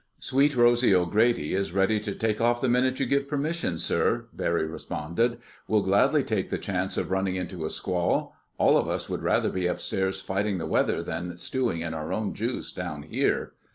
"Sweet Rosy O'Grady is ready to take off the minute you give permission, sir," Barry responded. "We'll gladly take the chance of running into a squall. All of us would rather be upstairs fighting the weather than stewing in our own juice down here."